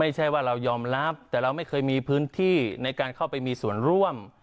ไม่ใช่ว่าเรายอมรับแต่เราไม่เคยมีพื้นที่ในการเข้าไปมีส่วนร่วม